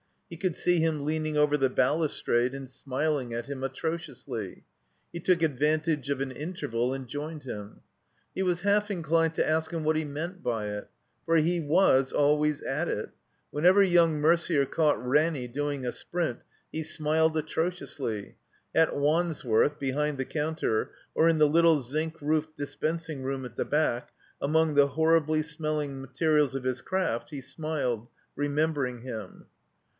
He could see him leaning over the balustrade and smiling at him atrodotisly. He took advantage of an interval and joined him. He was half inclined to ask him what he meant by it. For he was always at it. Whenever yotmg Mer der caught Ranny doing a sprint he smiled atro dously. At Wandsworth, bdiind the counter, or in the little zinc roofed dispensing room at the back, among the horribly smelling materials of his craft, he smiled, remembering him.